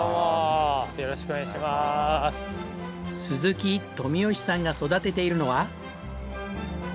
鈴木富善さんが育てているのは。